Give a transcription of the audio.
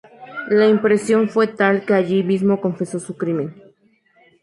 La impresión fue tal que allí mismo confesó su crimen.